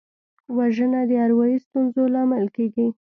وژنه د اروايي ستونزو لامل کېږي